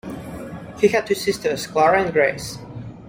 He had two sisters, Clara and Grace.